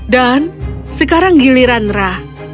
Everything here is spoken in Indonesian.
dan sekarang giliran ra